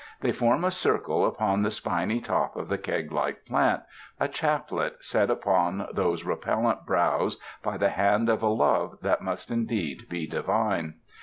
They form a circle upon the spiny top of the keg like plant — a chaplet set upon those repellent brows by the hand of a Love that must indeed be divine.